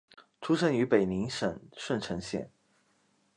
出生于北宁省顺成县。